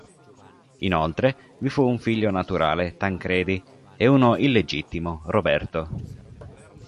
Inoltre vi fu un figlio naturale, Tancredi e uno illegittimo, Roberto.